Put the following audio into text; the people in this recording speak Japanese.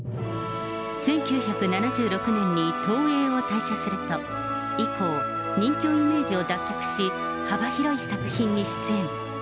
１９７６年に東映を退社すると、以降、任侠イメージを脱却し、幅広い作品に出演。